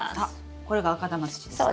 これが赤玉土ですか？